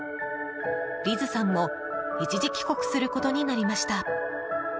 リズさんも一時帰国することになりました。